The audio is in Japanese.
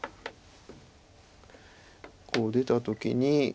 こう出た時に。